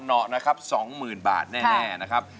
เหอะนะครับ๒๐๐๐บาทแน่นะครับ